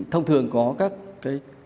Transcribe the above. thông thường có các cái